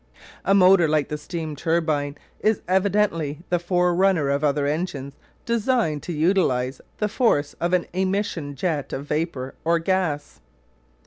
A motor like the steam turbine is evidently the forerunner of other engines designed to utilise the force of an emission jet of vapour or gas.